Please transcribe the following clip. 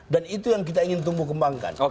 dan itu yang kita ingin tumbuh kembangkan